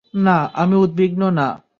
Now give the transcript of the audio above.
না, আমি উদ্বিগ্ন না।